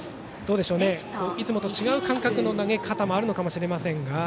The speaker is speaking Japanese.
いつもと違う感覚の投げ方もあるのかもしれませんが。